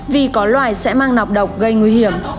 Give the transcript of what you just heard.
vì có loài sẽ mang nọc độc gây nguy hiểm